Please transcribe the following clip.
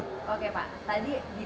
oke pak tadi di pembukaan wakil presiden